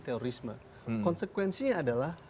terorisme konsekuensinya adalah